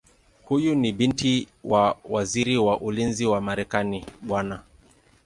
Huyu ni binti wa Waziri wa Ulinzi wa Marekani Bw.